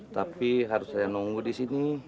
tapi harus saya nunggu disini